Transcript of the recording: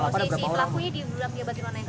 posisi pelakunya di bagian mana yang keren